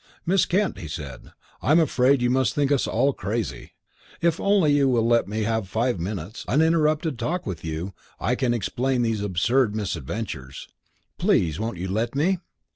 "Miss Kent," he said, "I'm afraid you must think us all crazy. If you will only let me have five minutes' uninterrupted talk with you, I can explain these absurd misadventures. Please, won't you let me?"